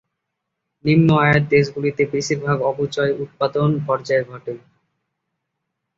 নিম্ন-আয়ের দেশগুলিতে বেশিরভাগ অপচয় উৎপাদন পর্যায়ে ঘটে।